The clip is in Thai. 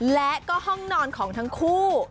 และก็ห้องนอนของทั้งคู่